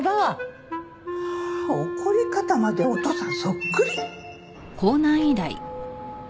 怒り方までお父さんそっくり！